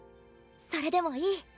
それでもいい。